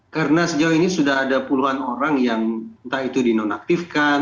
karena sejauh ini sudah ada puluhan orang yang entah itu dinonaktifkan